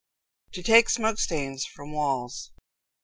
To Take Smoke Stains from Walls.